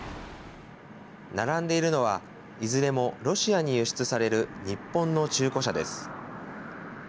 並んでいるのは、いずれもロシアに輸出される日本の中古車です。